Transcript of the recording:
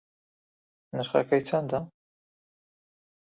نرخەکەی چەندە